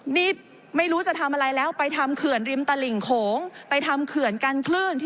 นี่ไม่รู้จะทำอะไรแล้วไปทำเขื่อนริมตลิ่งโขงไปทำเขื่อนกันคลื่นที่